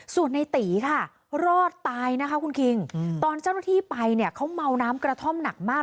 ส่วนในตีค่ะรอดตายนะคะคุณคิงตอนเจ้าหน้าที่ไปเนี่ยเขาเมาน้ำกระท่อมหนักมาก